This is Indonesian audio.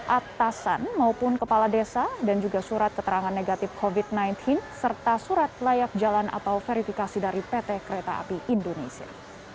atasan maupun kepala desa dan juga surat keterangan negatif covid sembilan belas serta surat layak jalan atau verifikasi dari pt kereta api indonesia